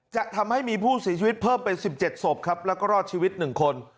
จะทำให้มีผู้เสียชีวิตเพิ่มเป็น๑๗ศพครับแล้วก็รอดชีวิต๑คน